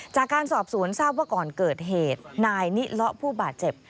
จากการสอบสวนทราบว่าก่อนเกิดเหตุนายนิเลาะผู้บาดเจ็บ